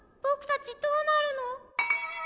たちどうなるの？